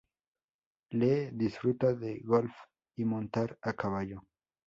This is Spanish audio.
Lee disfruta de golf y montar a caballo.